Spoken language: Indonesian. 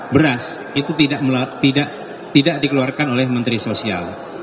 beras itu tidak dikeluarkan oleh menteri sosial